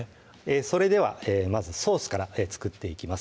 それではまずソースから作っていきます